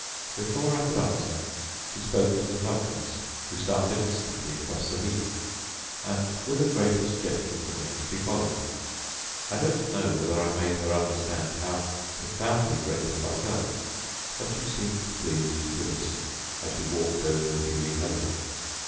Before I could answer she spoke to the falconers, who started instantly across the heath, and with a gracious gesture to me she followed. I don't know whether I made her understand how profoundly grateful I felt, but she seemed pleased to listen, as we walked over the dewy heather.